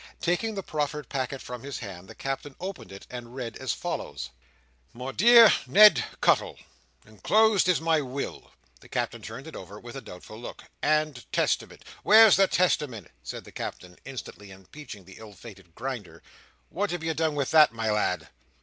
Taking the proffered packet from his hand, the Captain opened it and read as follows:— "'My dear Ned Cuttle. Enclosed is my will!'" The Captain turned it over, with a doubtful look—""and Testament'—Where's the Testament?" said the Captain, instantly impeaching the ill fated Grinder. "What have you done with that, my lad?"